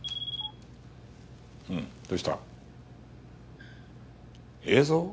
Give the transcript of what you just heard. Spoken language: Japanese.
うんどうした？映像？